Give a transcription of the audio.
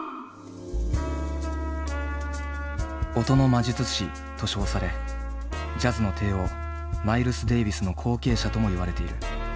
音の魔術師と称されジャズの帝王マイルス・デイヴィスの後継者とも言われている。